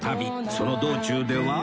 その道中では？